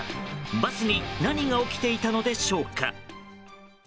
バスに何が起きていたのでしょうか。